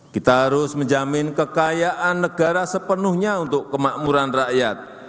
kita harus menjamin kekayaan negara sepenuhnya untuk kemakmuran rakyat